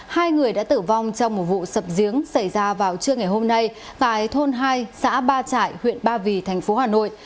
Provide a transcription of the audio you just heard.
hai người đã tử vong trong một vụ sập giếng xảy ra vào trưa ngày hôm nay tại thôn hai xã ba trại huyện ba vì thành phố hà nội